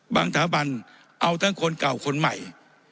บางถาบรรย์เอาทั้งคนเก่าคนใหม่